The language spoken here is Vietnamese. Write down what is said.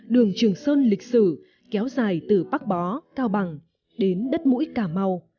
đường trường sơn lịch sử kéo dài từ bắc bó cao bằng đến đất mũi cà mau